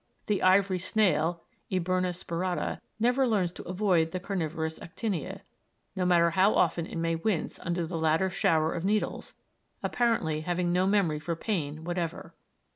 The ivory snail (Eburna spirata) never learns to avoid the carnivorous Actinia, no matter how often it may wince under the latter's shower of needles, apparently having no memory for pain whatever.